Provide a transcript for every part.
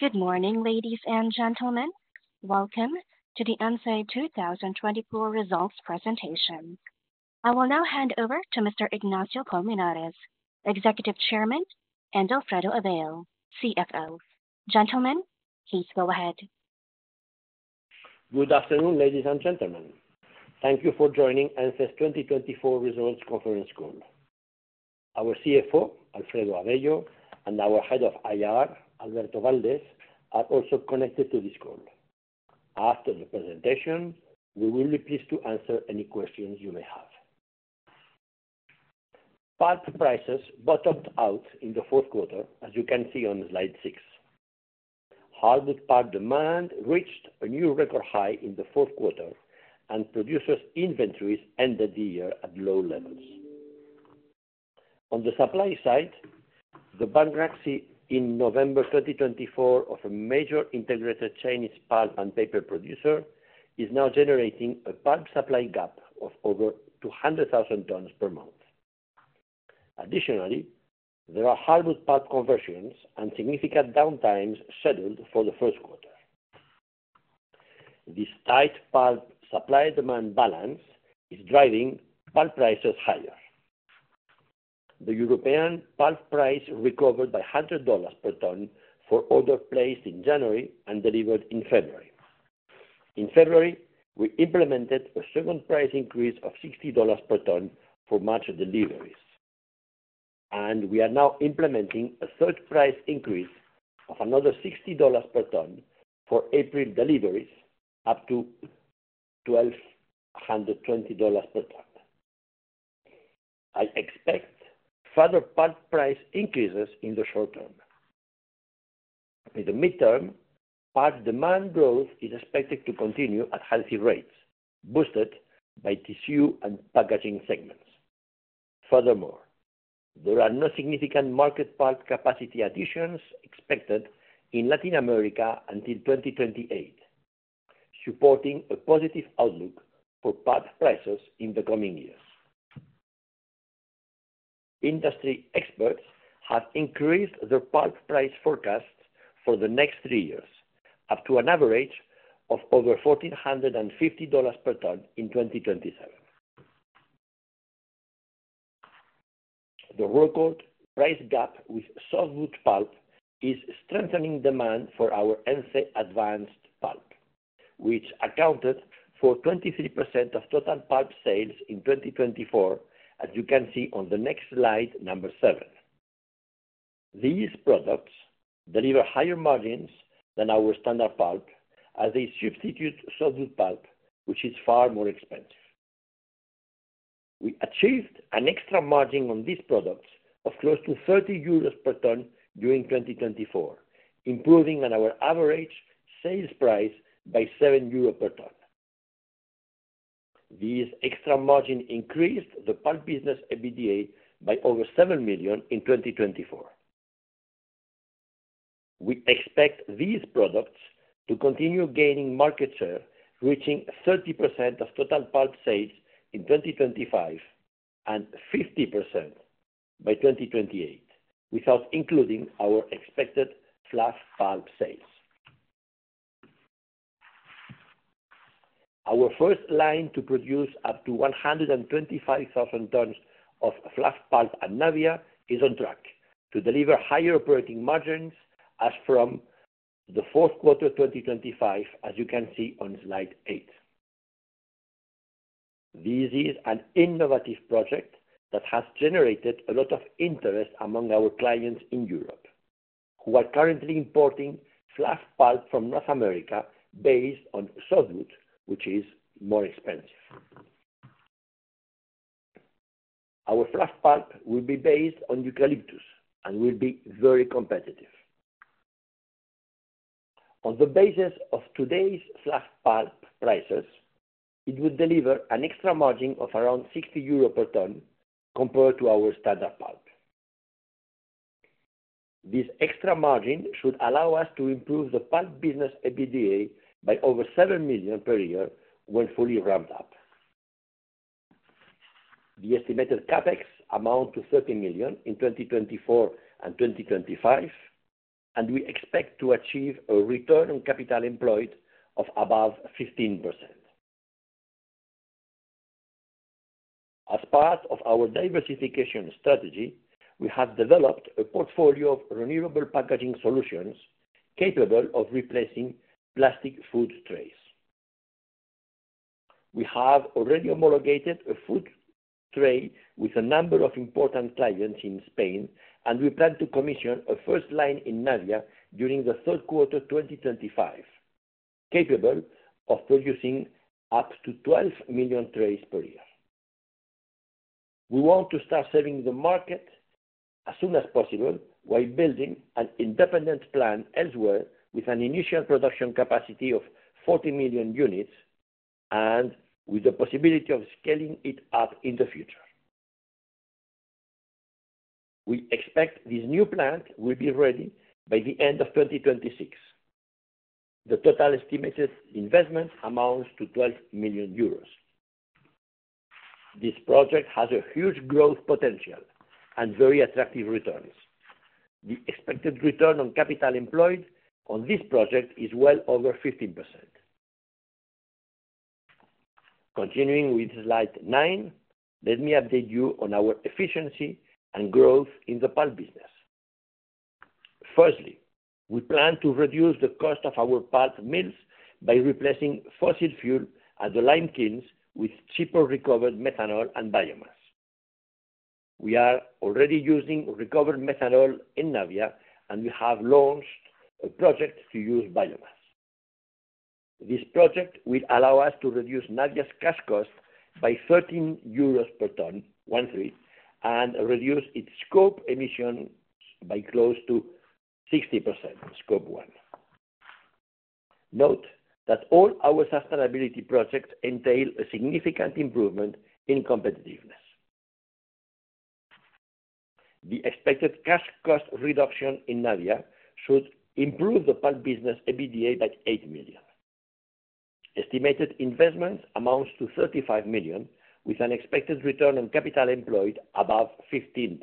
Good morning, ladies and gentlemen. Welcome to the Ence 2024 results presentation. I will now hand over to Mr. Ignacio Colmenares, Executive Chairman, and Alfredo Avello, CFO. Gentlemen, please go ahead. Good afternoon, ladies and gentlemen. Thank you for joining Ence's 2024 Results Conference Call. Our CFO, Alfredo Avello, and our Head of IR, Alberto Valdés, are also connected to this call. After the presentation, we will be pleased to answer any questions you may have. Pulp prices bottomed out in the fourth quarter, as you can see on slide six. Hardwood pulp demand reached a new record high in the fourth quarter, and producers' inventories ended the year at low levels. On the supply side, the bankruptcy in November 2024 of a major integrated Chinese pulp and paper producer is now generating a pulp supply gap of over 200,000 tons per month. Additionally, there are hardwood pulp conversions and significant downtimes scheduled for the first quarter. This tight pulp supply-demand balance is driving pulp prices higher. The European pulp price recovered by $100 per ton for orders placed in January and delivered in February. In February, we implemented a second price increase of $60 per ton for March deliveries, and we are now implementing a third price increase of another $60 per ton for April deliveries, up to $1,220 per ton. I expect further pulp price increases in the short term. In the midterm, pulp demand growth is expected to continue at healthy rates, boosted by tissue and packaging segments. Furthermore, there are no significant market pulp capacity additions expected in Latin America until 2028, supporting a positive outlook for pulp prices in the coming years. Industry experts have increased their pulp price forecasts for the next three years, up to an average of over $1,450 per ton in 2027. The record price gap with softwood pulp is strengthening demand for our Ence Advanced Pulp, which accounted for 23% of total pulp sales in 2024, as you can see on the next slide, number seven. These products deliver higher margins than our standard pulp, as they substitute softwood pulp, which is far more expensive. We achieved an extra margin on these products of close to 30 euros per ton during 2024, improving our average sales price by 7 euros per ton. This extra margin increased the pulp business EBITDA by over 7 million in 2024. We expect these products to continue gaining market share, reaching 30% of total pulp sales in 2025 and 50% by 2028, without including our expected fluff pulp sales. Our first line to produce up to 125,000 tons of fluff pulp at Navia is on track to deliver higher operating margins as from the fourth quarter 2025, as you can see on slide eight. This is an innovative project that has generated a lot of interest among our clients in Europe, who are currently importing fluff pulp from North America based on softwoods, which is more expensive. Our fluff pulp will be based on eucalyptus and will be very competitive. On the basis of today's fluff pulp prices, it would deliver an extra margin of around 60 euro per ton compared to our standard pulp. This extra margin should allow us to improve the pulp business EBITDA by over 7 million per year when fully ramped up. The estimated CapEx amounts to 30 million in 2024 and 2025, and we expect to achieve a return on capital employed of above 15%. As part of our diversification strategy, we have developed a portfolio of renewable packaging solutions capable of replacing plastic food trays. We have already homologated a food tray with a number of important clients in Spain, and we plan to commission a first line in Navia during the third quarter 2025, capable of producing up to 12 million trays per year. We want to start serving the market as soon as possible while building an independent plant elsewhere with an initial production capacity of 40 million units and with the possibility of scaling it up in the future. We expect this new plant will be ready by the end of 2026. The total estimated investment amounts to 12 million euros. This project has a huge growth potential and very attractive returns. The expected return on capital employed on this project is well over 15%. Continuing with slide nine, let me update you on our efficiency and growth in the pulp business. Firstly, we plan to reduce the cost of our pulp mills by replacing fossil fuel at the lime kilns with cheaper recovered methanol and biomass. We are already using recovered methanol in Navia, and we have launched a project to use biomass. This project will allow us to reduce Navia's cash cost by 13 euros per ton, one three, and reduce its Scope 1 emissions by close to 60%. Note that all our sustainability projects entail a significant improvement in competitiveness. The expected cash cost reduction in Navia should improve the pulp business EBITDA by 8 million. Estimated investment amounts to 35 million, with an expected return on capital employed above 15%.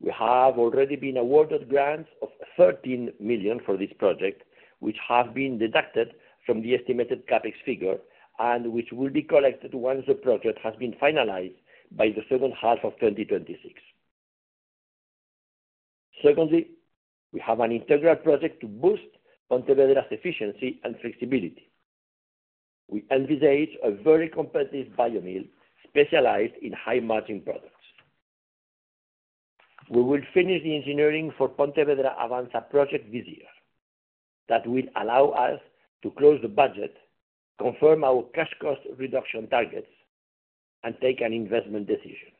We have already been awarded grants of 13 million for this project, which have been deducted from the estimated CapEx figure and which will be collected once the project has been finalized by the second half of 2026. Secondly, we have an integral project to boost Pontevedra's efficiency and flexibility. We envisage a very competitive biomill specialized in high-margin products. We will finish the engineering for Pontevedra Avanza project this year that will allow us to close the budget, confirm our cash cost reduction targets, and take an investment decision.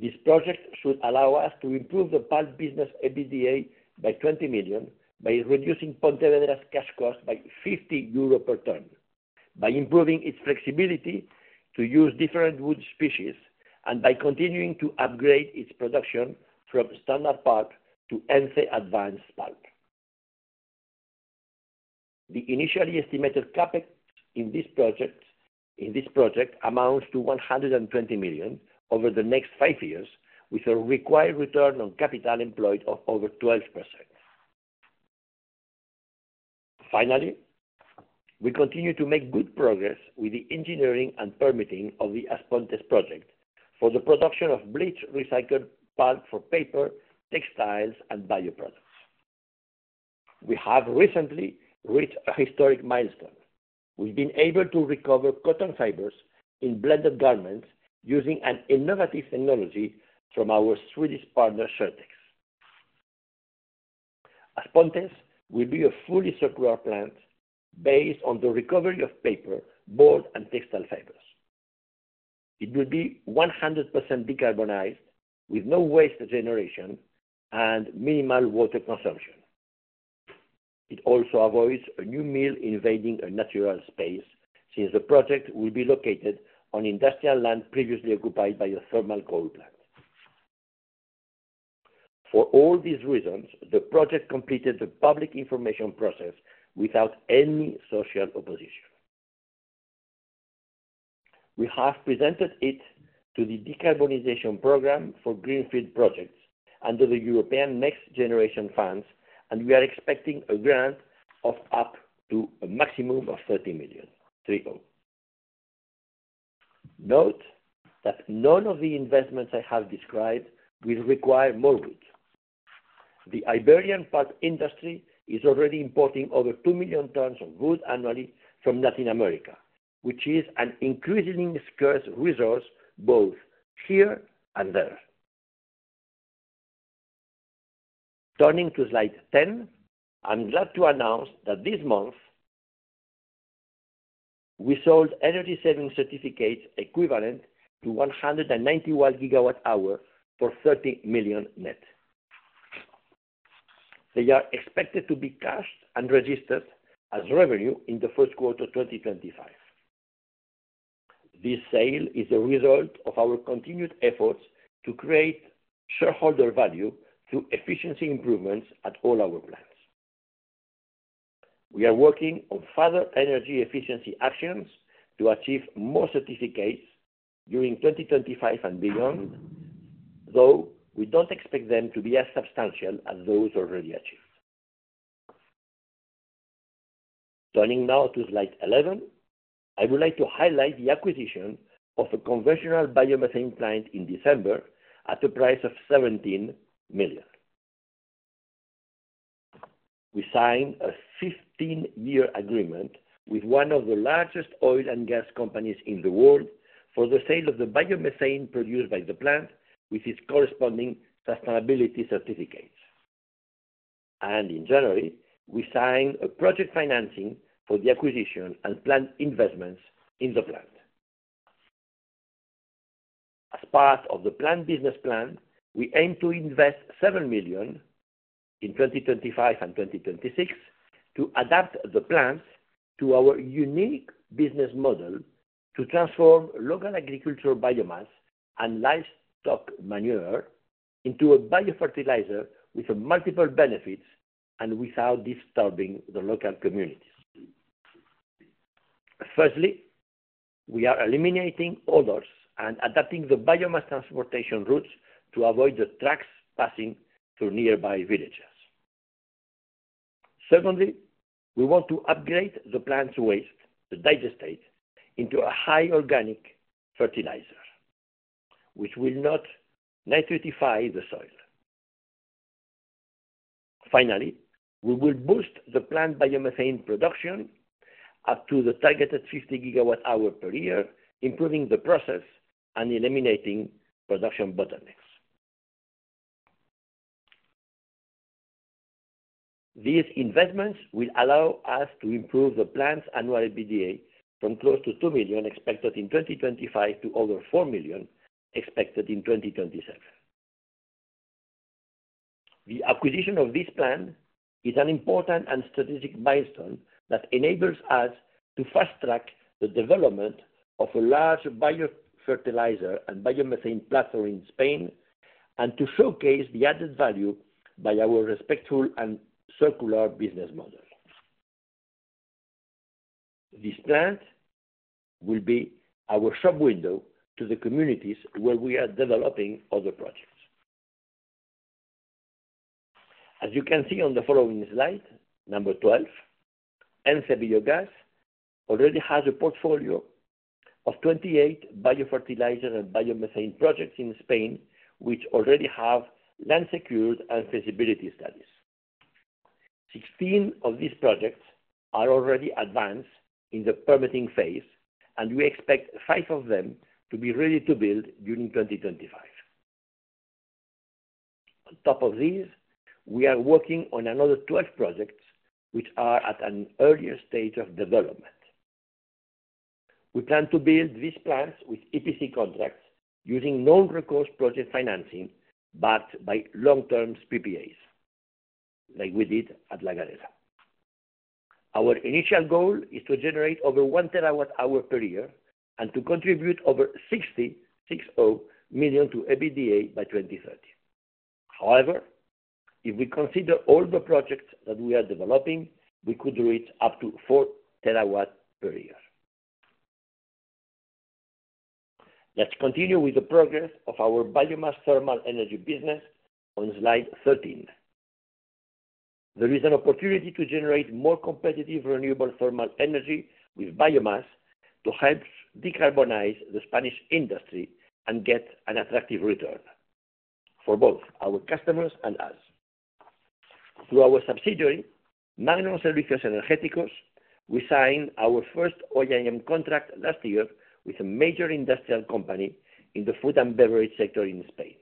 This project should allow us to improve the pulp business EBITDA by 20 million by reducing Pontevedra's cash cost by 50 euro per ton, by improving its flexibility to use different wood species, and by continuing to upgrade its production from standard pulp to Ence Advanced Pulp. The initially estimated CapEx in this project amounts to 120 million over the next five years, with a required return on capital employed of over 12%. Finally, we continue to make good progress with the engineering and permitting of the As Pontes project for the production of bleached recycled pulp for paper, textiles, and bio products. We have recently reached a historic milestone. We've been able to recover cotton fibers in blended garments using an innovative technology from our Swedish partner, ShareTex. As Pontes will be a fully circular plant based on the recovery of paper, board, and textile fibers. It will be 100% decarbonized, with no waste generation and minimal water consumption. It also avoids a new mill invading a natural space since the project will be located on industrial land previously occupied by a thermal coal plant. For all these reasons, the project completed the public information process without any social opposition. We have presented it to the Decarbonization Program for Greenfield Projects under the European Next Generation Funds, and we are expecting a grant of up to a maximum of 30 million. Note that none of the investments I have described will require more wood. The Iberian pulp industry is already importing over 2 million tons of wood annually from Latin America, which is an increasingly scarce resource both here and there. Turning to slide ten, I'm glad to announce that this month we sold energy-saving certificates equivalent to 191 GWh for 30 million net. They are expected to be cashed and registered as revenue in the first quarter 2025. This sale is a result of our continued efforts to create shareholder value through efficiency improvements at all our plants. We are working on further energy efficiency actions to achieve more certificates during 2025 and beyond, though we do not expect them to be as substantial as those already achieved. Turning now to slide eleven, I would like to highlight the acquisition of a conventional biomethane plant in December at a price of 17 million. We signed a 15-year agreement with one of the largest oil and gas companies in the world for the sale of the biomethane produced by the plant with its corresponding sustainability certificates. In January, we signed a project financing for the acquisition and plant investments in the plant. As part of the plant business plan, we aim to invest 7 million in 2025 and 2026 to adapt the plant to our unique business model to transform local agricultural biomass and livestock manure into a biofertilizer with multiple benefits and without disturbing the local communities. Firstly, we are eliminating odors and adapting the biomass transportation routes to avoid the trucks passing through nearby villages. Secondly, we want to upgrade the plant's waste, the digestate, into a high-organic fertilizer, which will not nitrify the soil. Finally, we will boost the plant biomethane production up to the targeted 50 GWh per year, improving the process and eliminating production bottlenecks. These investments will allow us to improve the plant's annual EBITDA from close to 2 million expected in 2025 to over 4 million expected in 2027. The acquisition of this plant is an important and strategic milestone that enables us to fast-track the development of a large biofertilizer and biomethane platform in Spain and to showcase the added value by our respectful and circular business model. This plant will be our shop window to the communities where we are developing other projects. As you can see on the following slide, number twelve, Ence Biogas already has a portfolio of 28 biofertilizer and biomethane projects in Spain, which already have land secured and feasibility studies. Sixteen of these projects are already advanced in the permitting phase, and we expect five of them to be ready to build during 2025. On top of these, we are working on another 12 projects, which are at an earlier stage of development. We plan to build these plants with EPC contracts using non-recourse project financing, but by long-term PPAs, like we did at La Galera. Our initial goal is to generate over 1 TWh per year and to contribute over 60 million to EBITDA by 2030. However, if we consider all the projects that we are developing, we could reach up to 4 TWh per year. Let's continue with the progress of our biomass thermal energy business on slide thirteen. There is an opportunity to generate more competitive renewable thermal energy with biomass to help decarbonize the Spanish industry and get an attractive return for both our customers and us. Through our subsidiary, Magnus Servicios Energéticos, we signed our first OIM contract last year with a major industrial company in the food and beverage sector in Spain.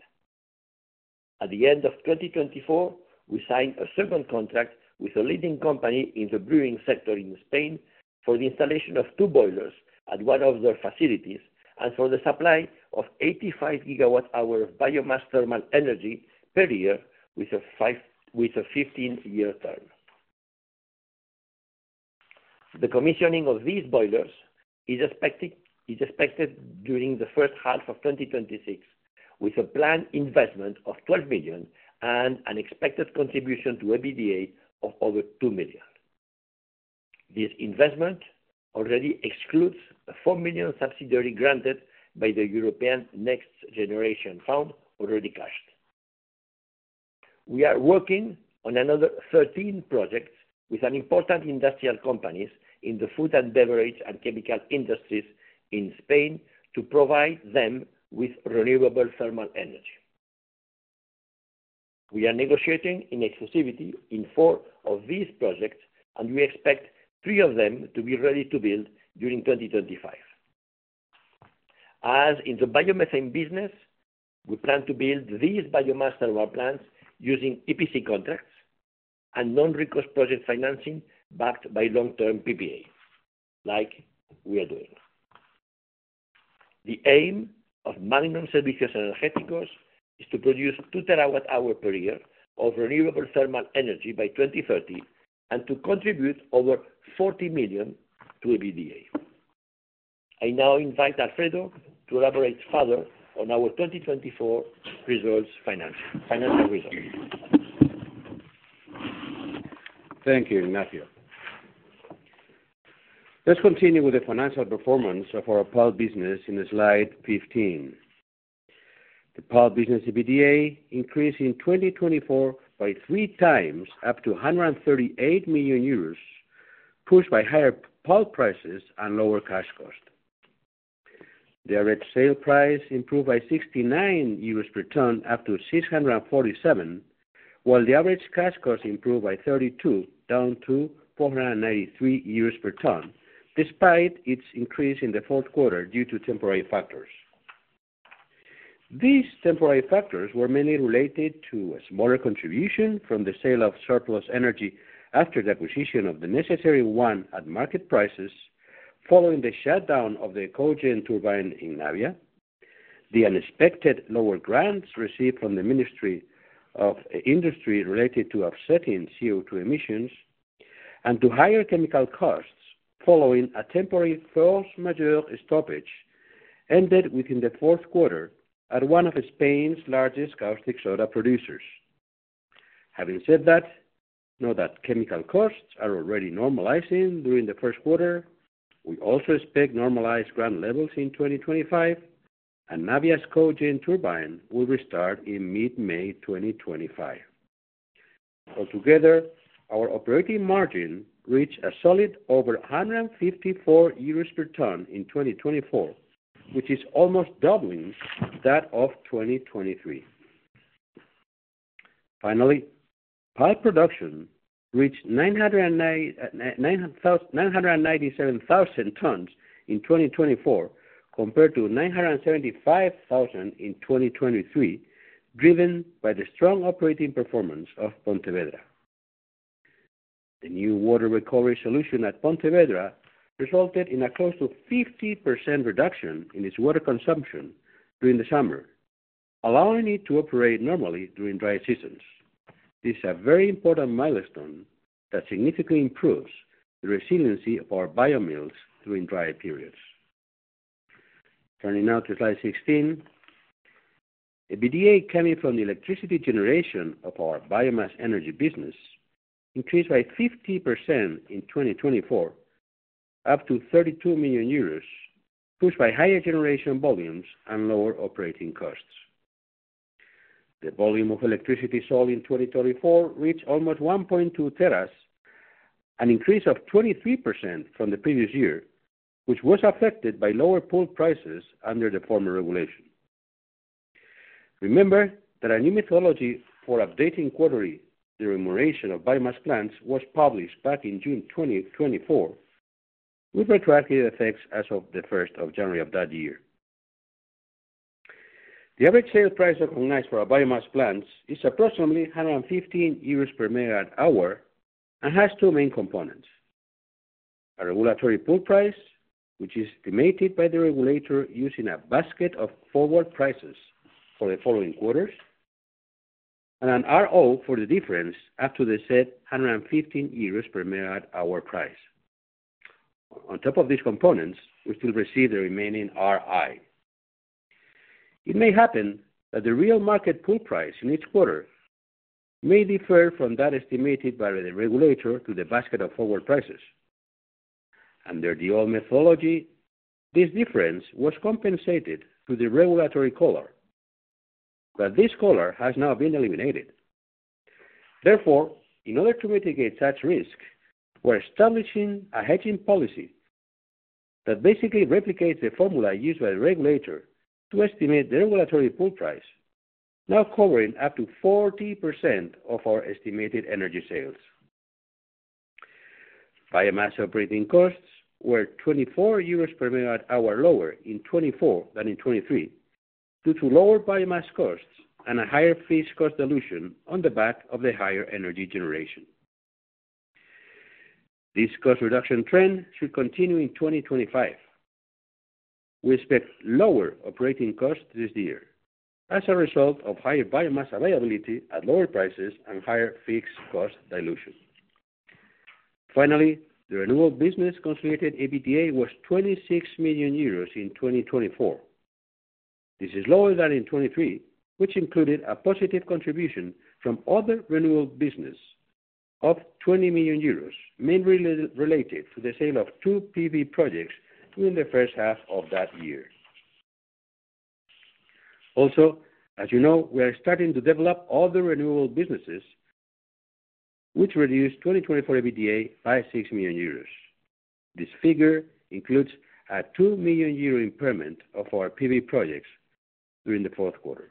At the end of 2024, we signed a second contract with a leading company in the brewing sector in Spain for the installation of two boilers at one of their facilities and for the supply of 85 GWh of biomass thermal energy per year with a 15-year term. The commissioning of these boilers is expected during the first half of 2026, with a planned investment of 12 million and an expected contribution to EBITDA of over 2 million. This investment already excludes a 4 million subsidiary granted by the European Next Generation Fund already cashed. We are working on another 13 projects with important industrial companies in the food and beverage and chemical industries in Spain to provide them with renewable thermal energy. We are negotiating in exclusivity in four of these projects, and we expect three of them to be ready to build during 2025. As in the biomethane business, we plan to build these biomass thermal plants using EPC contracts and non-recourse project financing backed by long-term PPA, like we are doing. The aim of Magnus Servicios Energéticos is to produce 2 terawatt-hour per year of renewable thermal energy by 2030 and to contribute over 40 million to EBITDA. I now invite Alfredo to elaborate further on our 2024 results financial results. Thank you, Ignacio. Let's continue with the financial performance of our pulp business in slide fifteen. The pulp business EBITDA increased in 2024 by three times, up to 138 million euros, pushed by higher pulp prices and lower cash cost. The average sale price improved by 69 euros per ton, up to 647, while the average cash cost improved by 32, down to 493 euros per ton, despite its increase in the fourth quarter due to temporary factors. These temporary factors were mainly related to a smaller contribution from the sale of surplus energy after the acquisition of the necessary one at market prices following the shutdown of the Ecogen turbine in Navia, the unexpected lower grants received from the Ministry of Industry related to offsetting CO2 emissions, and to higher chemical costs following a temporary force majeure stoppage ended within the fourth quarter at one of Spain's largest caustic soda producers. Having said that, now that chemical costs are already normalizing during the first quarter, we also expect normalized grant levels in 2025, and Navia's Ecogen turbine will restart in mid-May 2025. Altogether, our operating margin reached a solid over 154 euros per ton in 2024, which is almost doubling that of 2023. Finally, pulp production reached 997,000 tons in 2024 compared to 975,000 in 2023, driven by the strong operating performance of Pontevedra. The new water recovery solution at Pontevedra resulted in a close to 50% reduction in its water consumption during the summer, allowing it to operate normally during dry seasons. This is a very important milestone that significantly improves the resiliency of our biomills during dry periods. Turning now to slide sixteen, EBITDA came from the electricity generation of our biomass energy business, increased by 50% in 2024, up to 32 million euros, pushed by higher generation volumes and lower operating costs. The volume of electricity sold in 2024 reached almost 1.2 teras, an increase of 23% from the previous year, which was affected by lower pulp prices under the former regulation. Remember that a new methodology for updating quarterly the remuneration of biomass plants was published back in June 2024, with retroactive effects as of the first of January of that year. The average sale price recognized for biomass plants is approximately 115 euros per megawatt-hour and has two main components: a regulatory pull price, which is estimated by the regulator using a basket of forward prices for the following quarters, and an RO for the difference up to the set 115 euros per megawatt-hour price. On top of these components, we still receive the remaining RI. It may happen that the real market pull price in each quarter may differ from that estimated by the regulator to the basket of forward prices. Under the old methodology, this difference was compensated through the regulatory collar, but this collar has now been eliminated. Therefore, in order to mitigate such risk, we're establishing a hedging policy that basically replicates the formula used by the regulator to estimate the regulatory pull price, now covering up to 40% of our estimated energy sales. Biomass operating costs were 24 euros per megawatt-hour lower in 2024 than in 2023 due to lower biomass costs and a higher fixed cost dilution on the back of the higher energy generation. This cost reduction trend should continue in 2025. We expect lower operating costs this year as a result of higher biomass availability at lower prices and higher fixed cost dilution. Finally, the renewable business-concentrated EBITDA was 26 million euros in 2024. This is lower than in 2023, which included a positive contribution from other renewable businesses of 20 million euros, mainly related to the sale of two PV projects during the first half of that year. Also, as you know, we are starting to develop other renewable businesses, which reduced 2024 EBITDA by 6 million euros. This figure includes a 2 million euro impairment of our PV projects during the fourth quarter.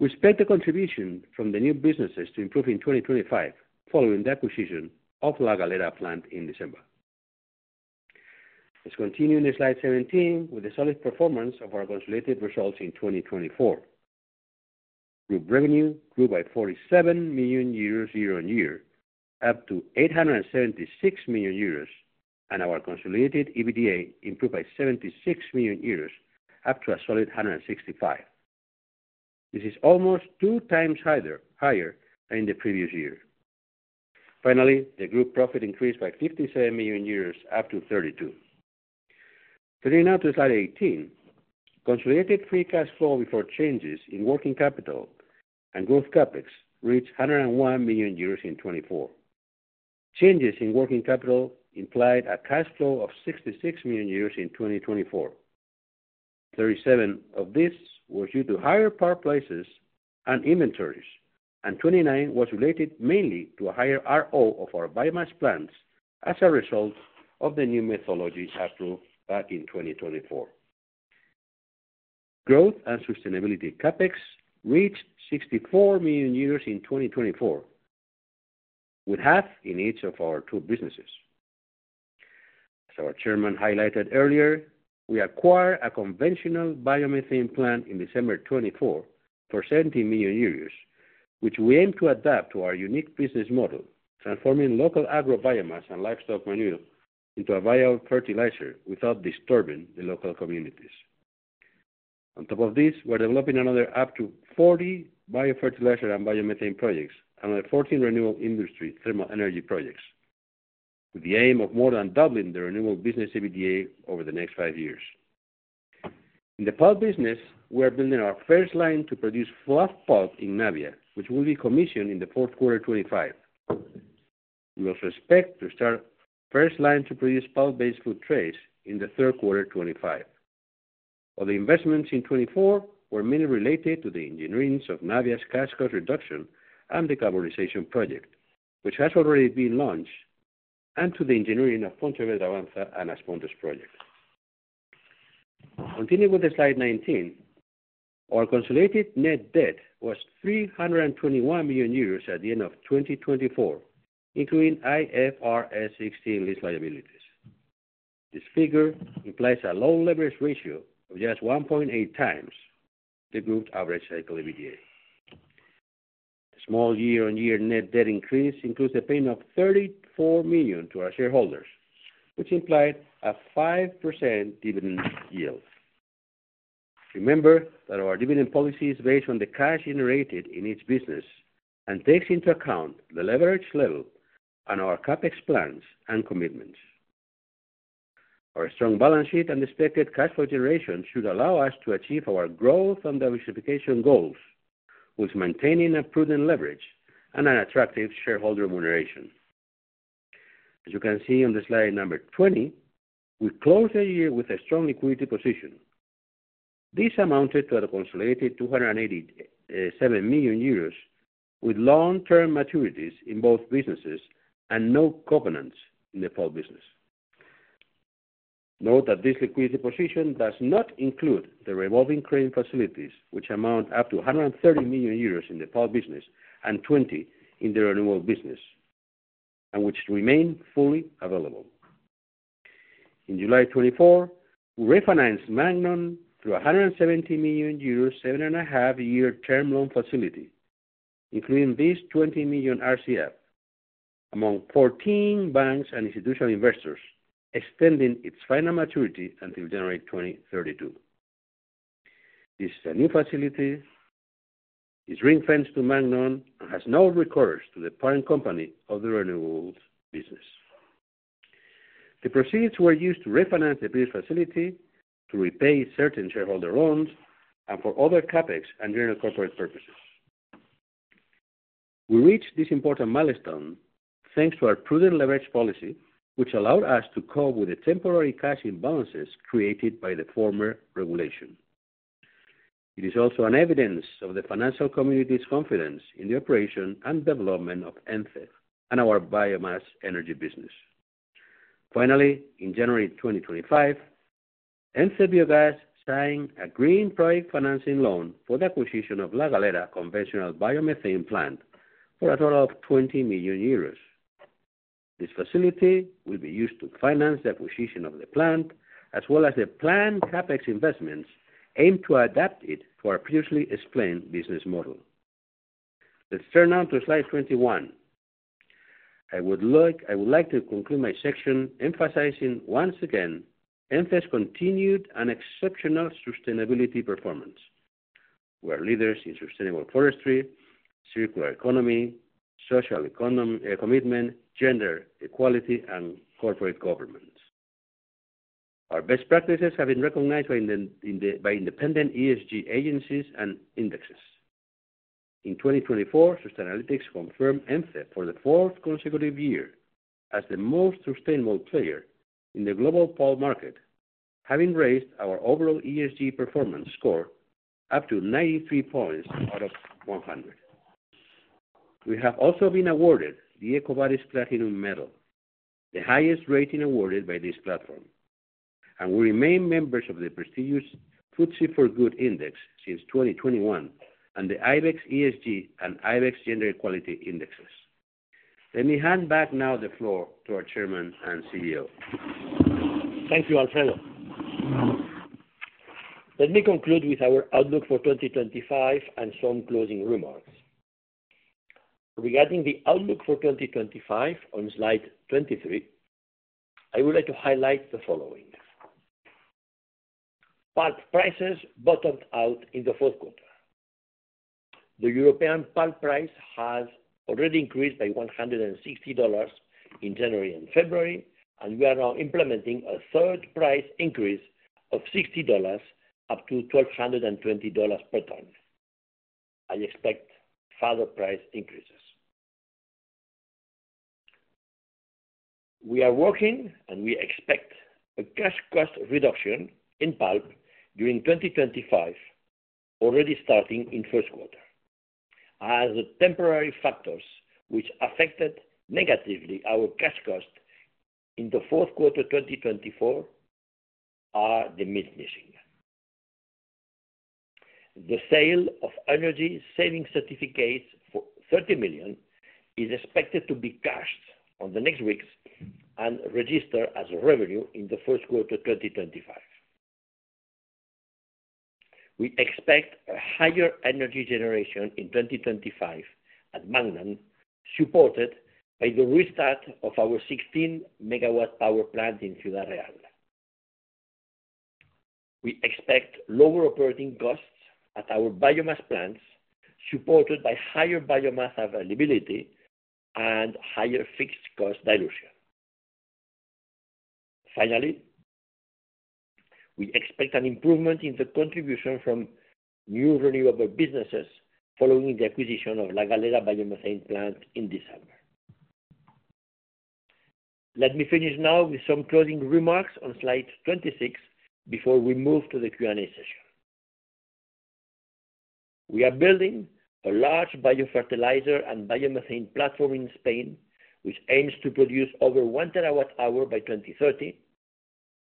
We expect the contribution from the new businesses to improve in 2025 following the acquisition of La Galera plant in December. Let's continue in slide seventeen with the solid performance of our consolidated results in 2024. Group revenue grew by 47 million euros year-on-year, up to 876 million euros, and our consolidated EBITDA improved by 76 million euros up to a solid 165 million. This is almost two times higher than in the previous year. Finally, the group profit increased by 57 million euros up to 32 million. Turning now to slide eighteen, consolidated free cash flow before changes in working capital and growth CapEx reached 101 million euros in 2024. Changes in working capital implied a cash flow of 66 million euros in 2024. Thirty-seven of this was due to higher power prices and inventories, and twenty-nine was related mainly to a higher RO of our biomass plants as a result of the new methodology approved back in 2024. Growth and sustainability CapEx reached 64 million euros in 2024, with half in each of our two businesses. As our Chairman highlighted earlier, we acquired a conventional biomethane plant in December 2024 for 70 million euros, which we aim to adapt to our unique business model, transforming local agrobiomass and livestock manure into a viable fertilizer without disturbing the local communities. On top of this, we're developing another up to 40 biofertilizer and biomethane projects and other 14 renewable industry thermal energy projects, with the aim of more than doubling the renewable business EBITDA over the next five years. In the pulp business, we are building our first line to produce fluff pulp in Navia, which will be commissioned in the fourth quarter 2025. We also expect to start the first line to produce pulp-based food trays in the third quarter 2025. All the investments in 2024 were mainly related to the engineering of Navia's cash cost reduction and decarbonization project, which has already been launched, and to the engineering of Pontevedra Avanza and As Pontes projects. Continuing with slide nineteen, our consolidated net debt was 321 million euros at the end of 2024, including IFRS 16 lease liabilities. This figure implies a low leverage ratio of just 1.8x the group's average cycle EBITDA. The small year-on-year net debt increase includes a payment of 34 million to our shareholders, which implied a 5% dividend yield. Remember that our dividend policy is based on the cash generated in each business and takes into account the leverage level and our CapEx plans and commitments. Our strong balance sheet and expected cash flow generation should allow us to achieve our growth and diversification goals while maintaining a prudent leverage and an attractive shareholder remuneration. As you can see on slide number twenty, we closed the year with a strong equity position. This amounted to a consolidated 287 million euros with long-term maturities in both businesses and no components in the pulp business. Note that this liquidity position does not include the revolving credit facilities, which amount up to 130 million euros in the pulp business and 20 million in the renewable business, and which remain fully available. In July 2024, we refinanced Magnon through a 170 million euro seven-and-a-half-year term loan facility, including this 20 million RCF, among 14 banks and institutional investors, extending its final maturity until January 2032. This is a new facility, is ring-fenced to Magnon, and has no recourse to the parent company of the renewables business. The proceeds were used to refinance the previous facility to repay certain shareholder loans and for other CapEx and general corporate purposes. We reached this important milestone thanks to our prudent leverage policy, which allowed us to cope with the temporary cash imbalances created by the former regulation. It is also evidence of the financial community's confidence in the operation and development of Ence and our biomass energy business. Finally, in January 2025, Ence Biogas signed a green project financing loan for the acquisition of La Galera conventional biomethane plant for a total of 20 million euros. This facility will be used to finance the acquisition of the plant, as well as the planned CapEx investments aimed to adapt it to our previously explained business model. Let's turn now to slide twenty-one. I would like to conclude my section emphasizing once again Ence's continued and exceptional sustainability performance. We are leaders in sustainable forestry, circular economy, social commitment, gender equality, and corporate governance. Our best practices have been recognized by independent ESG agencies and indexes. In 2024, Sustainalytics confirmed Ence for the fourth consecutive year as the most sustainable player in the global pulp market, having raised our overall ESG performance score up to 93 points out of 100. We have also been awarded the EcoVadis Platinum Medal, the highest rating awarded by this platform, and we remain members of the prestigious FTSE4Good Index since 2021 and the IBEX ESG and IBEX Gender Equality indexes. Let me hand back now the floor to our Chairman and CEO. Thank you, Alfredo. Let me conclude with our outlook for 2025 and some closing remarks. Regarding the outlook for 2025 on slide twenty-three, I would like to highlight the following: pulp prices bottomed out in the fourth quarter. The European pulp price has already increased by $160 in January and February, and we are now implementing a third price increase of $60 up to $1,220 per ton. I expect further price increases. We are working, and we expect a cash cost reduction in pulp during 2025, already starting in the first quarter. As the temporary factors which affected negatively our cash cost in the fourth quarter 2024 are the mismatching. The sale of energy saving certificates for 30 million is expected to be cashed in the next weeks and registered as revenue in the first quarter 2025. We expect a higher energy generation in 2025 at Magnon, supported by the restart of our 16 MW plant in Ciudad Real. We expect lower operating costs at our biomass plants, supported by higher biomass availability and higher fixed cost dilution. Finally, we expect an improvement in the contribution from new renewable businesses following the acquisition of La Galera biomethane plant in December. Let me finish now with some closing remarks on slide twenty-six before we move to the Q&A session. We are building a large biofertilizer and biomethane platform in Spain, which aims to produce over 1 TWh by 2030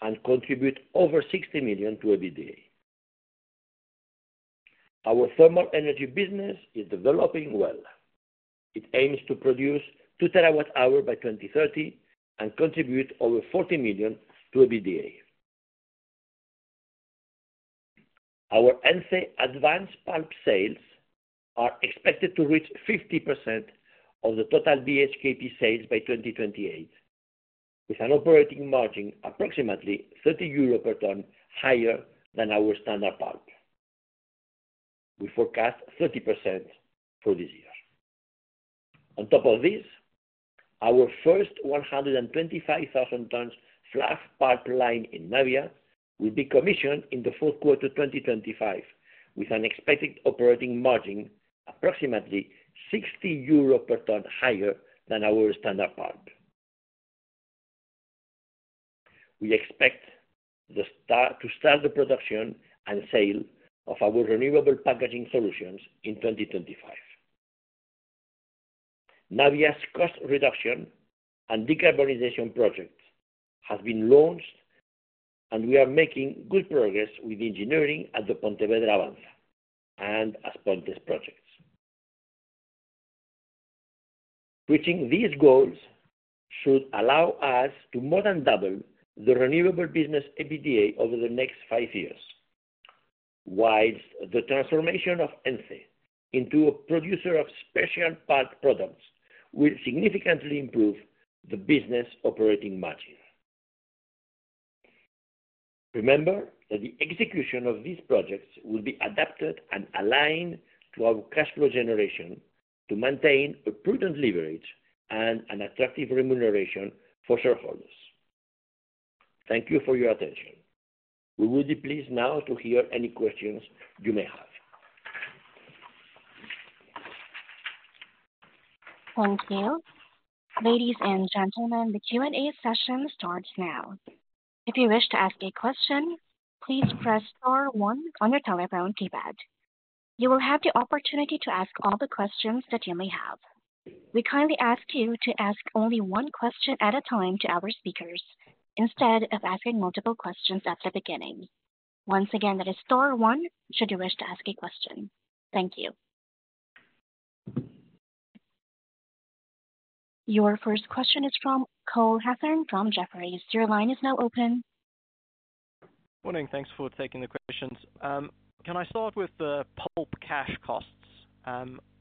and contribute over 60 million to EBITDA. Our thermal energy business is developing well. It aims to produce 2 TWh by 2030 and contribute over 40 million to EBITDA. Our Ence Advanced Pulp sales are expected to reach 50% of the total BHKP sales by 2028, with an operating margin approximately 30 euro per ton higher than our standard pulp. We forecast 30% for this year. On top of this, our first 125,000 tons fluff pulp line in Navia will be commissioned in the fourth quarter 2025, with an expected operating margin approximately 60 euro per ton higher than our standard pulp. We expect to start the production and sale of our renewable packaging solutions in 2025. Navia's cost reduction and decarbonization project has been launched, and we are making good progress with engineering at the Pontevedra Avanza and As Pontes projects. Reaching these goals should allow us to more than double the renewable business EBITDA over the next five years, while the transformation of Ence into a producer of special pulp products will significantly improve the business operating margin. Remember that the execution of these projects will be adapted and aligned to our cash flow generation to maintain a prudent leverage and an attractive remuneration for shareholders. Thank you for your attention. We would be pleased now to hear any questions you may have. Thank you. Ladies and gentlemen, the Q&A session starts now. If you wish to ask a question, please press star one on your telephone keypad. You will have the opportunity to ask all the questions that you may have. We kindly ask you to ask only one question at a time to our speakers instead of asking multiple questions at the beginning. Once again, that is star one should you wish to ask a question. Thank you. Your first question is from Cole Hathorn from Jefferies. Your line is now open. Morning. Thanks for taking the questions. Can I start with the pulp cash costs?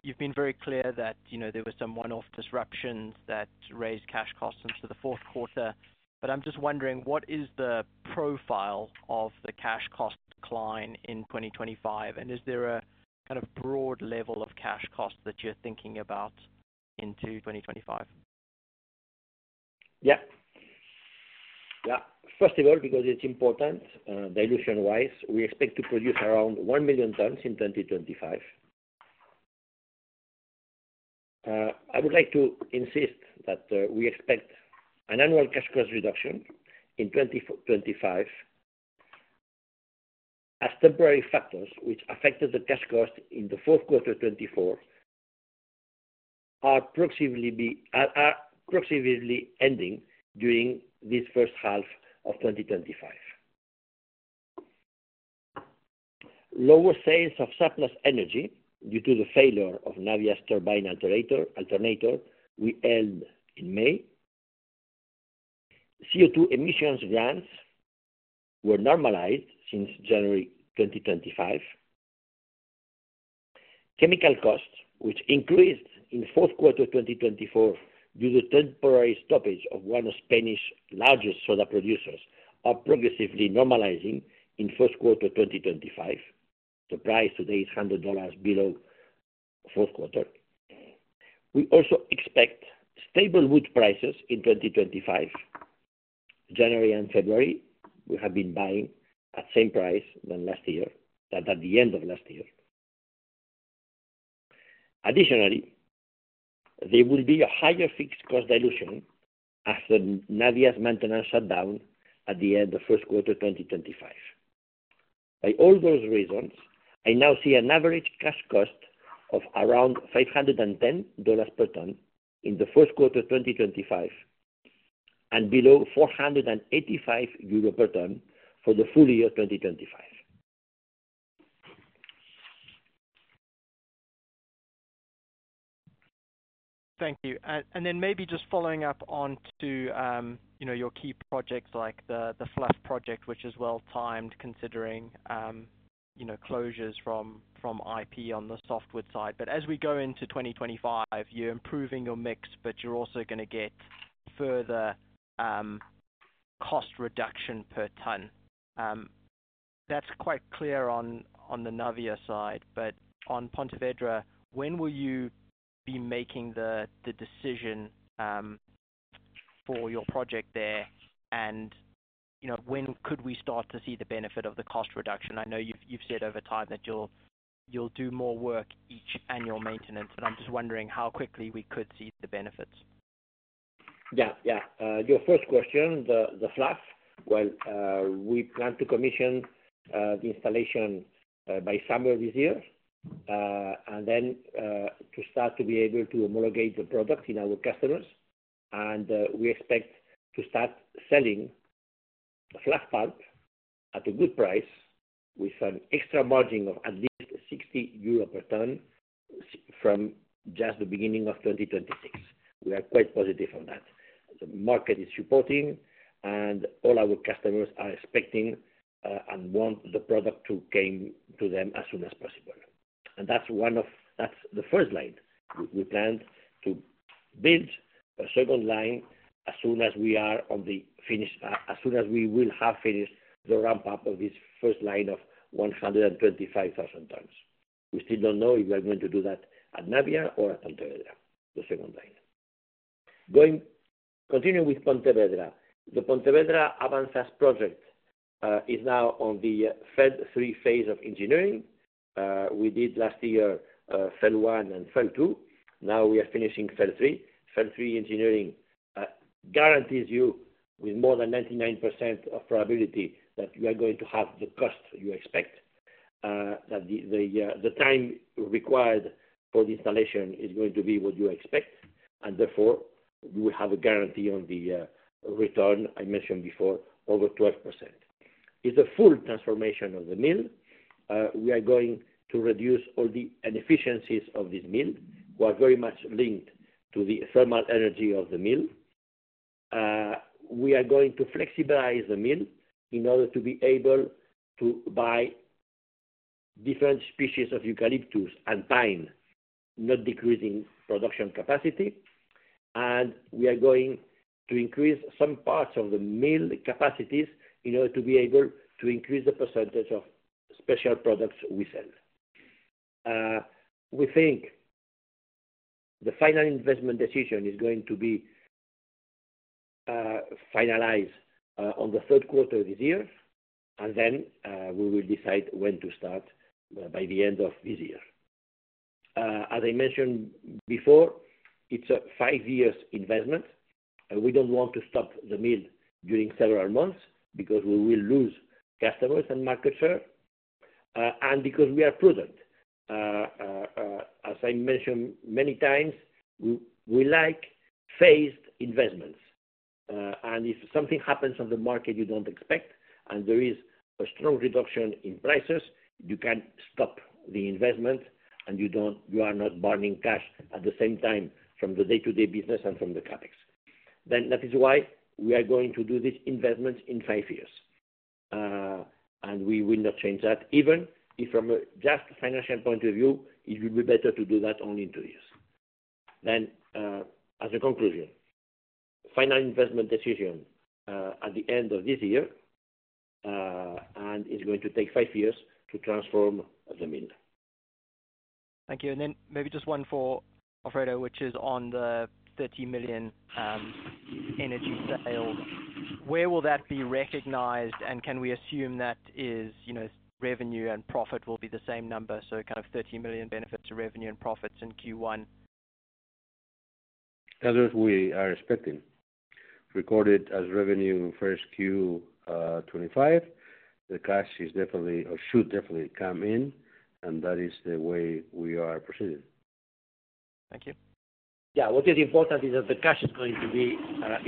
You've been very clear that there were some one-off disruptions that raised cash costs into the fourth quarter, but I'm just wondering, what is the profile of the cash cost decline in 2025? Is there a kind of broad level of cash costs that you're thinking about into 2025? Yeah. Yeah. First of all, because it's important dilution-wise, we expect to produce around one million tons in 2025. I would like to insist that we expect an annual cash cost reduction in 2025. As temporary factors which affected the cash cost in the fourth quarter 2024 are approximately ending during this first half of 2025. Lower sales of surplus energy due to the failure of Navia's turbine alternator we held in May. CO2 emissions runs were normalized since January 2025. Chemical costs, which increased in the fourth quarter 2024 due to temporary stoppage of one of Spain's largest soda producers, are progressively normalizing in the first quarter 2025. The price today is $100 below the fourth quarter. We also expect stable wood prices in 2025, January and February. We have been buying at the same price than last year, that at the end of last year. Additionally, there will be a higher fixed cost dilution after Navia's maintenance shutdown at the end of the first quarter 2025. By all those reasons, I now see an average cash cost of around $510 per ton in the first quarter 2025 and below 485 euro per ton for the full year 2025. Thank you. Maybe just following up onto your key projects like the fluff project, which is well timed considering closures from IP on the softwood side. As we go into 2025, you're improving your mix, but you're also going to get further cost reduction per ton. That is quite clear on the Navia side. On Pontevedra, when will you be making the decision for your project there? When could we start to see the benefit of the cost reduction? I know you've said over time that you'll do more work each annual maintenance, but I'm just wondering how quickly we could see the benefits. Yeah. Your first question, the fluff, we plan to commission the installation by summer this year and then to start to be able to homologate the product in our customers. We expect to start selling fluff pulp at a good price with an extra margin of at least 60 euro per ton from just the beginning of 2026. We are quite positive on that. The market is supporting, and all our customers are expecting and want the product to come to them as soon as possible. That is the first line. We plan to build a second line as soon as we are on the finish, as soon as we will have finished the ramp-up of this first line of 125,000 tons. We still do not know if we are going to do that at Navia or at Pontevedra, the second line. Continuing with Pontevedra, the Pontevedra Avanza project is now on the first 3 phase of engineering. We did last year phase 1 and phase 2. Now we are finishing phase 3. Phase 3 engineering guarantees you with more than 99% of probability that you are going to have the cost you expect, that the time required for the installation is going to be what you expect, and therefore you will have a guarantee on the return, I mentioned before, over 12%. It is a full transformation of the mill. We are going to reduce all the inefficiencies of this mill, which are very much linked to the thermal energy of the mill. We are going to flexibilize the mill in order to be able to buy different species of eucalyptus and pine, not decreasing production capacity. We are going to increase some parts of the mill capacities in order to be able to increase the percentage of special products we sell. We think the final investment decision is going to be finalized in the third quarter of this year, and we will decide when to start by the end of this year. As I mentioned before, it is a five-year investment. We do not want to stop the mill during several months because we will lose customers and market share, and because we are prudent. As I mentioned many times, we like phased investments. If something happens in the market you do not expect, and there is a strong reduction in prices, you can stop the investment, and you are not burning cash at the same time from the day-to-day business and from the CapEx. That is why we are going to do these investments in five years. We will not change that. Even if from a just financial point of view, it would be better to do that only in two years. As a conclusion, final investment decision at the end of this year, and it is going to take five years to transform the mill. Thank you. Maybe just one for Alfredo, which is on the 30 million energy sales. Where will that be recognized? Can we assume that revenue and profit will be the same number? Kind of 30 million benefits to revenue and profits in Q1. That is what we are expecting, recorded as revenue in first Q2025. The cash is definitely or should definitely come in, and that is the way we are proceeding. Thank you. Yeah. What is important is that the cash is going to be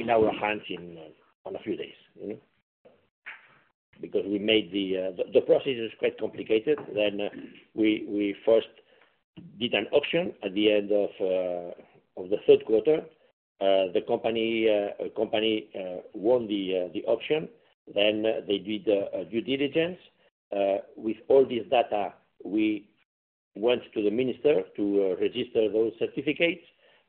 in our hands in a few days because the process is quite complicated. We first did an auction at the end of the third quarter. The company won the auction. They did due diligence. With all this data, we went to the minister to register those certificates.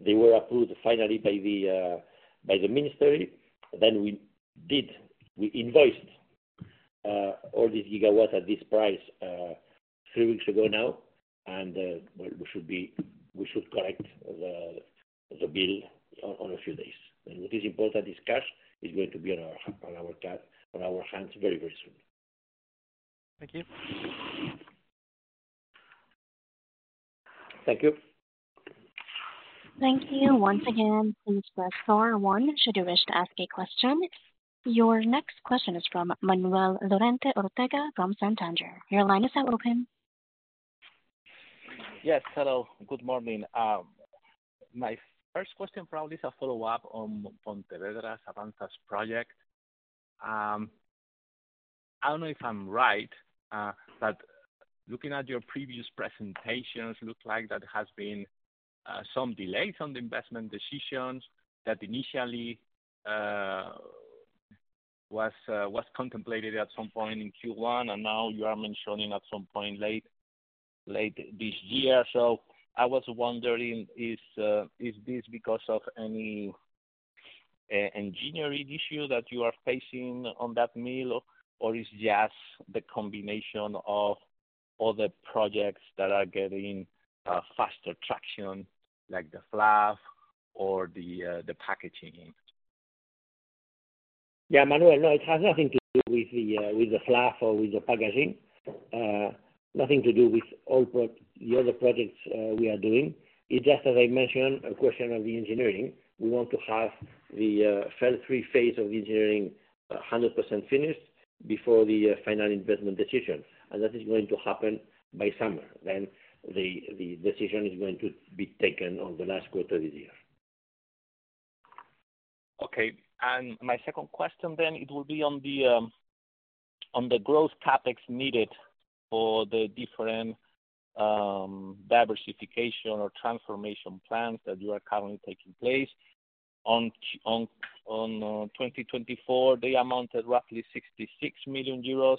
They were approved finally by the ministry. We invoiced all these gigawatts at this price three weeks ago now, and we should collect the bill in a few days. What is important is cash is going to be on our hands very, very soon. Thank you. Thank you. Thank you once again. Please press star one should you wish to ask a question. Your next question is from Manuel Lorente Ortega from Santander. Your line is now open. Yes. Hello. Good morning. My first question probably is a follow-up on Pontevedra's Avanza project. I don't know if I'm right, but looking at your previous presentations, it looks like there have been some delays on the investment decisions that initially were contemplated at some point in Q1, and now you are mentioning at some point late this year. I was wondering, is this because of any engineering issue that you are facing on that mill, or is it just the combination of other projects that are getting faster traction, like the fluff or the packaging? Yeah, Manuel, no, it has nothing to do with the fluff or with the packaging. Nothing to do with all the other projects we are doing. It's just, as I mentioned, a question of the engineering. We want to have the first 3 phase of engineering 100% finished before the final investment decision. That is going to happen by summer. The decision is going to be taken on the last quarter of this year. Okay. My second question then, it will be on the growth CapEx needed for the different diversification or transformation plans that you are currently taking place. In 2024, they amounted roughly 66 million euros.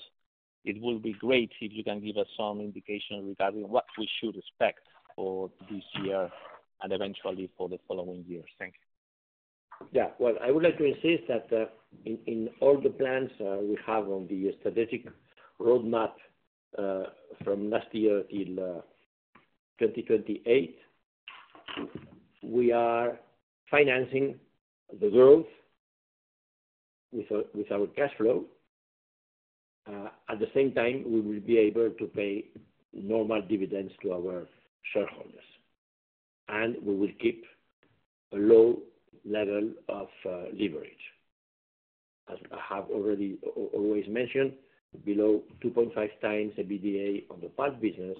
It will be great if you can give us some indication regarding what we should expect for this year and eventually for the following years. Thank you. Yeah. I would like to insist that in all the plans we have on the strategic roadmap from last year till 2028, we are financing the growth with our cash flow. At the same time, we will be able to pay normal dividends to our shareholders, and we will keep a low level of leverage. As I have already always mentioned, below 2.5x the EBITDA on the pulp business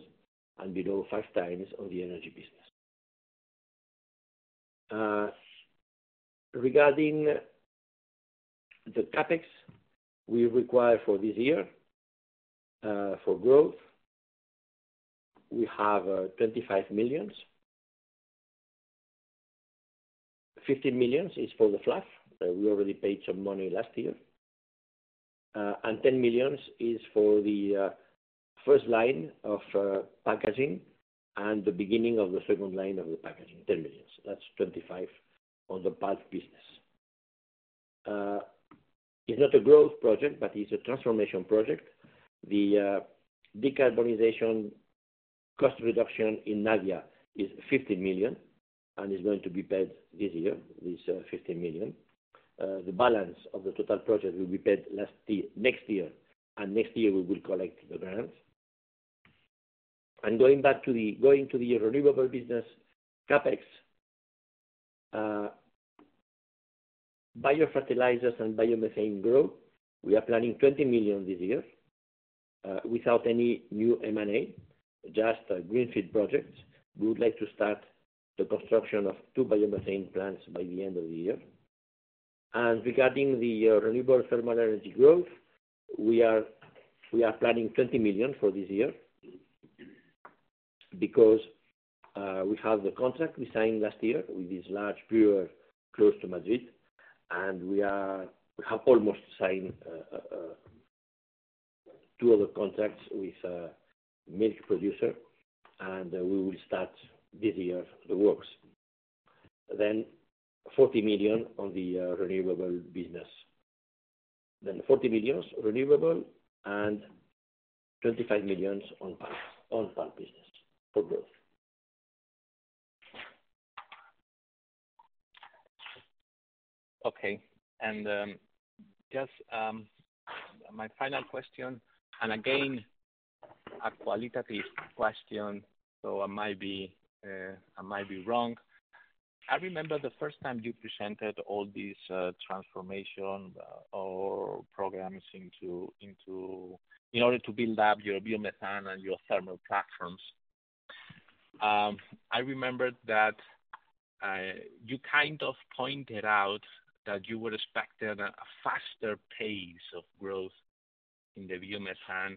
and below 5x on the energy business. Regarding the CapEx we require for this year for growth, we have 25 million. 15 million is for the fluff. We already paid some money last year. 10 million is for the first line of packaging and the beginning of the second line of the packaging. EUR 10 million. That is 25 million on the pulp business. It is not a growth project, but it is a transformation project. The decarbonization cost reduction in Navia is 15 million and is going to be paid this year. This 15 million. The balance of the total project will be paid next year, and next year we will collect the grants. Going back to the renewable business CapEx, biofertilizers and biomethane growth, we are planning 20 million this year without any new M&A, just greenfield projects. We would like to start the construction of two biomethane plants by the end of the year. Regarding the renewable thermal energy growth, we are planning 20 million for this year because we have the contract we signed last year with this large brewer close to Madrid, and we have almost signed two other contracts with a milk producer, and we will start this year the works. 40 million on the renewable business. 40 million renewable and 25 million on pulp business for growth. Okay. Just my final question, and again, a qualitative question, so I might be wrong. I remember the first time you presented all these transformation programs in order to build up your biomethane and your thermal platforms. I remember that you kind of pointed out that you would expect a faster pace of growth in the biomethane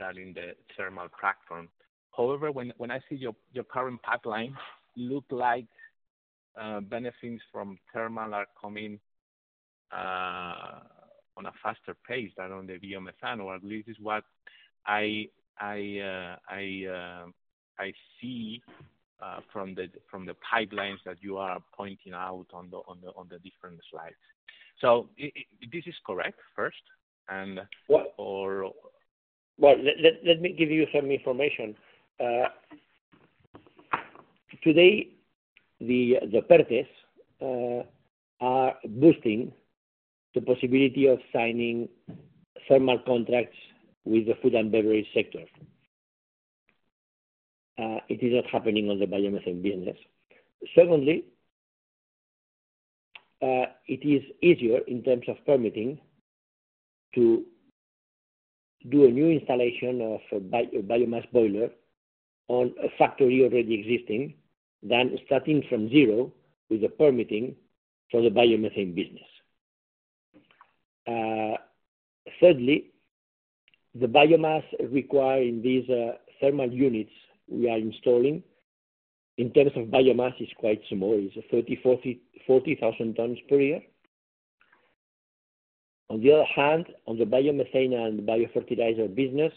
than in the thermal platform. However, when I see your current pipeline, it looks like benefits from thermal are coming on a faster pace than on the biomethane, or at least is what I see from the pipelines that you are pointing out on the different slides. Is this correct first, and or? Let me give you some information. Today, the parties are boosting the possibility of signing thermal contracts with the food and beverage sector. It is not happening on the biomethane business. Secondly, it is easier in terms of permitting to do a new installation of a biomass boiler on a factory already existing than starting from zero with the permitting for the biomethane business. Thirdly, the biomass required in these thermal units we are installing in terms of biomass is quite small. It is 30,000-40,000 tons per year. On the other hand, on the biomethane and biofertilizer business,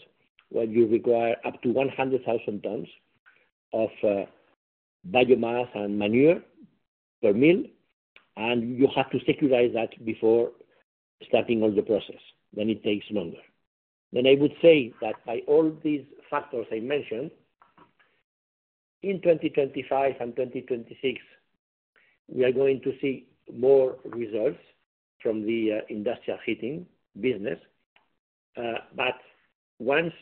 where you require up to 100,000 tons of biomass and manure per mill, and you have to securize that before starting on the process, it takes longer. I would say that by all these factors I mentioned, in 2025 and 2026, we are going to see more results from the industrial heating business. Once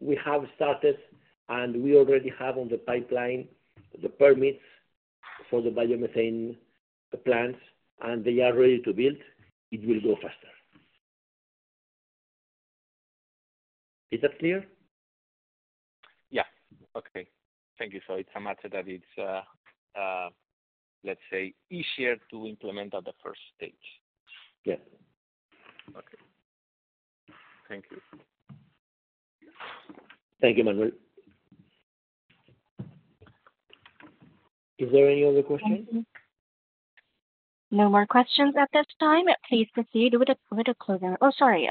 we have started and we already have in the pipeline the permits for the biomethane plants and they are ready to build, it will go faster. Is that clear? Yeah. Okay. Thank you. It is a matter that is, let's say, easier to implement at the first stage. Yeah. Okay. Thank you. Thank you, Manuel. Are there any other questions? No more questions at this time. Please proceed with a closer. Oh, sorry.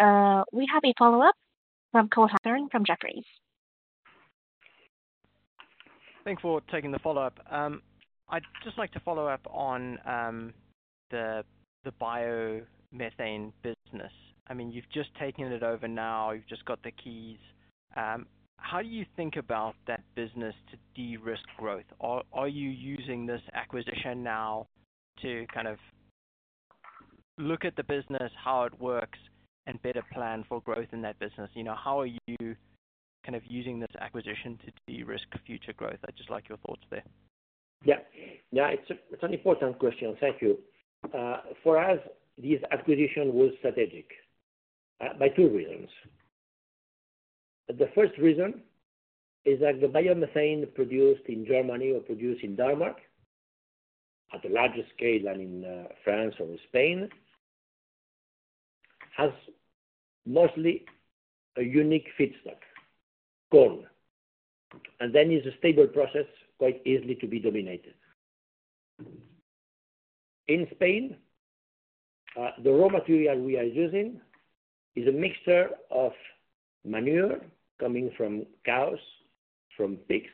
We have a follow-up from Cole Hathorn from Jefferies. Thanks for taking the follow-up. I'd just like to follow up on the biomethane business. I mean, you've just taken it over now. You've just got the keys. How do you think about that business to de-risk growth? Are you using this acquisition now to kind of look at the business, how it works, and better plan for growth in that business? How are you kind of using this acquisition to de-risk future growth? I'd just like your thoughts there. Yeah. Yeah. It's an important question. Thank you. For us, this acquisition was strategic by two reasons. The first reason is that the biomethane produced in Germany or produced in Denmark at a larger scale than in France or Spain has mostly a unique feedstock, corn, and then it's a stable process quite easily to be dominated. In Spain, the raw material we are using is a mixture of manure coming from cows, from pigs,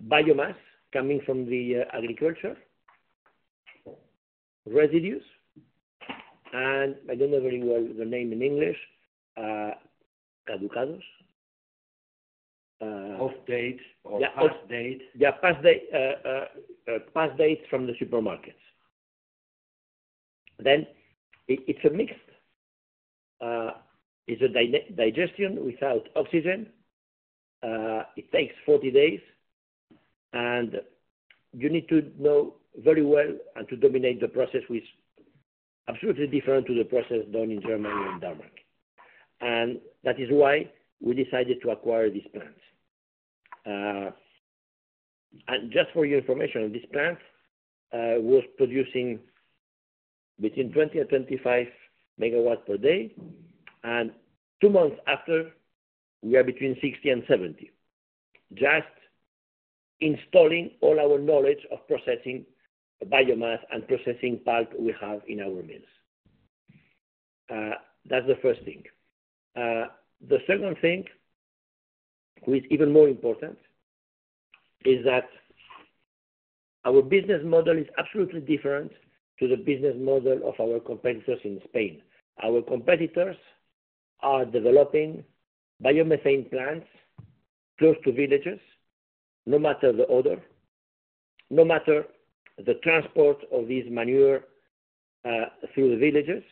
biomass coming from the agriculture, residues, and I don't know very well the name in English, caducados. Of date. Yeah. Of date. Yeah. Past dates from the supermarkets. It's a mixed. It's a digestion without oxygen. It takes 40 days, and you need to know very well and to dominate the process, which is absolutely different from the process done in Germany and Denmark. That is why we decided to acquire these plants. Just for your information, this plant was producing between 20 and 25 MW per day, and two months after, we are between 60 and 70, just installing all our knowledge of processing biomass and processing pulp we have in our mills. That is the first thing. The second thing, which is even more important, is that our business model is absolutely different from the business model of our competitors in Spain. Our competitors are developing biomethane plants close to villages, no matter the order, no matter the transport of this manure through the villages,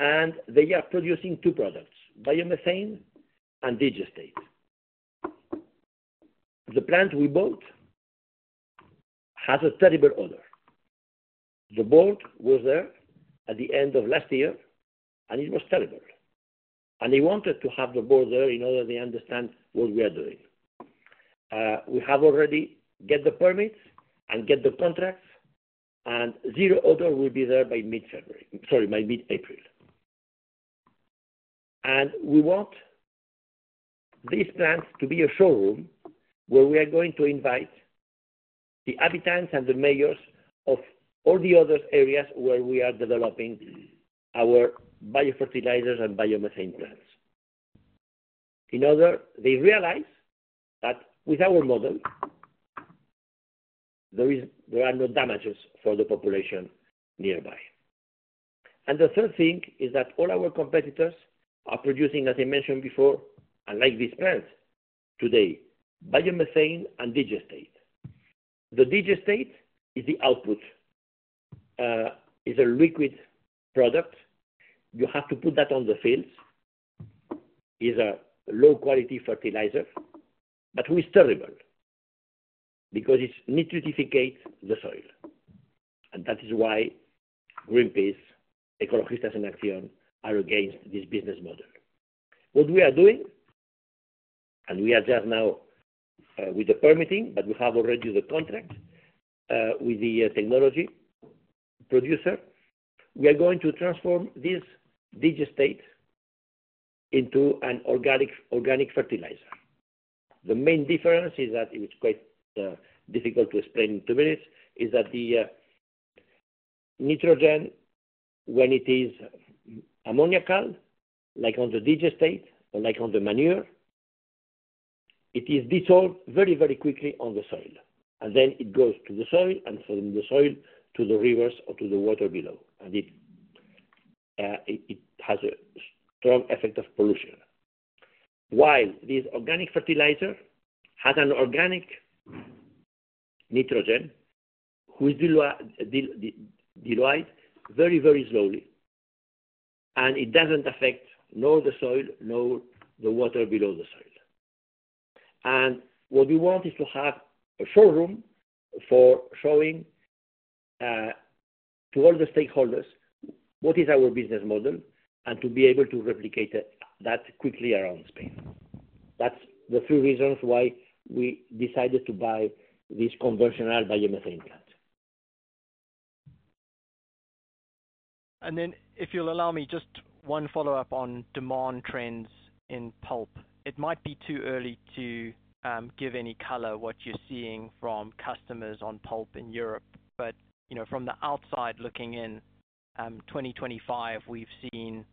and they are producing two products, biomethane and digestate. The plant we bought has a terrible odor. The board was there at the end of last year, and it was terrible. They wanted to have the board there in order to understand what we are doing. We have already got the permits and got the contracts, and zero odor will be there by mid-February, sorry, by mid-April. We want this plant to be a showroom where we are going to invite the habitants and the mayors of all the other areas where we are developing our biofertilizers and biomethane plants. In order they realize that with our model, there are no damages for the population nearby. The third thing is that all our competitors are producing, as I mentioned before, unlike these plants today, biomethane and digestate. The digestate is the output. It's a liquid product. You have to put that on the fields. It's a low-quality fertilizer, but it's terrible because it nitrificates the soil. That is why Greenpeace, Ecologistas en Acción, are against this business model. What we are doing, and we are just now with the permitting, but we have already the contract with the technology producer, we are going to transform this digestate into an organic fertilizer. The main difference is that it's quite difficult to explain in two minutes, is that the nitrogen, when it is ammoniacal, like on the digestate or like on the manure, it is dissolved very, very quickly on the soil. It goes to the soil and from the soil to the rivers or to the water below. It has a strong effect of pollution. While this organic fertilizer has an organic nitrogen which is diluted very, very slowly, and it does not affect nor the soil nor the water below the soil. What we want is to have a showroom for showing to all the stakeholders what is our business model and to be able to replicate that quickly around Spain. That is the three reasons why we decided to buy this conventional biomethane plant. If you'll allow me, just one follow-up on demand trends in pulp. It might be too early to give any color what you are seeing from customers on pulp in Europe, but from the outside looking in, 2025, we have seen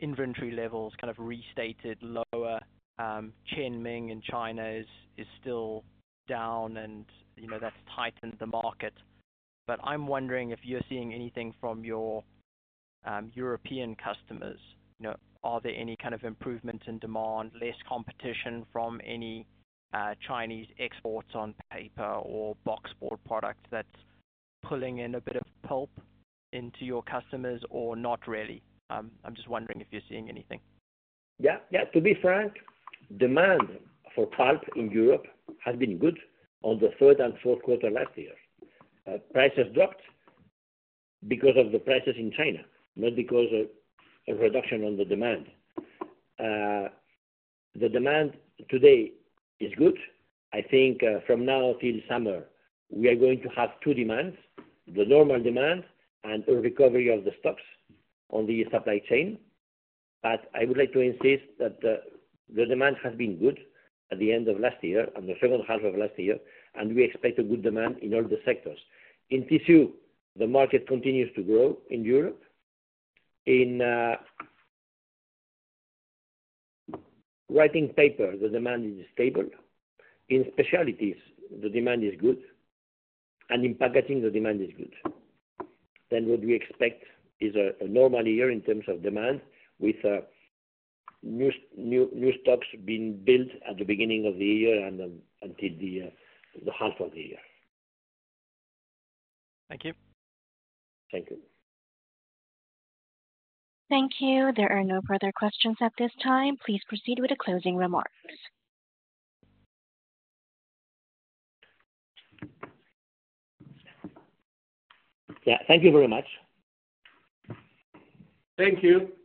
inventory levels kind of restated lower. Qianming in China is still down, and that has tightened the market. I am wondering if you are seeing anything from your European customers. Are there any kind of improvements in demand, less competition from any Chinese exports on paper or boxboard products that's pulling in a bit of pulp into your customers, or not really? I'm just wondering if you're seeing anything. Yeah. Yeah. To be frank, demand for pulp in Europe has been good on the third and fourth quarter last year. Prices dropped because of the prices in China, not because of a reduction on the demand. The demand today is good. I think from now till summer, we are going to have two demands: the normal demand and a recovery of the stocks on the supply chain. I would like to insist that the demand has been good at the end of last year and the second half of last year, and we expect a good demand in all the sectors. In tissue, the market continues to grow in Europe. In writing paper, the demand is stable. In specialties, the demand is good. In packaging, the demand is good. What we expect is a normal year in terms of demand with new stocks being built at the beginning of the year and until the half of the year. Thank you. Thank you. Thank you. There are no further questions at this time. Please proceed with the closing remarks. Yeah. Thank you very much. Thank you.